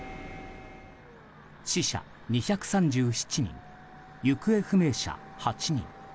死者２３７人、行方不明者８人。